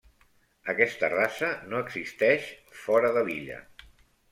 Aquesta raça no existeix fora de l'illa.